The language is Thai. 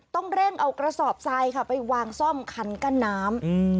ต้องเร่งเอากระสอบทรายค่ะไปวางซ่อมคันกั้นน้ำ